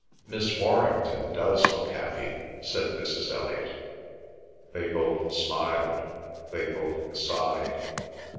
"Miss Warrington does look happy," said Mrs. Elliot; they both smiled; they both sighed.